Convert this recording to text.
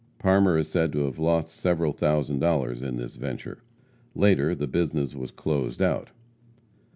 Parmer is said to have lost several thousand dollars in this venture. Later, the business was closed out.